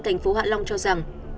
tp hạ long cho rằng